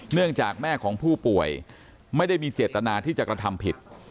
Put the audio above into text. เนื่องจากแม่ของผู้ป่วยไม่ได้มีเจตนาที่จะกระทำผิด